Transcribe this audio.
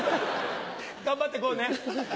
頑張っていこうね。